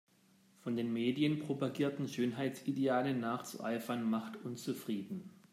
Von den Medien propagierten Schönheitsidealen nachzueifern macht unzufrieden.